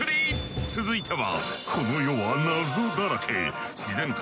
続いては。